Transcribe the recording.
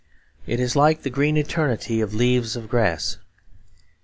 It is like the green eternity of Leaves of Grass.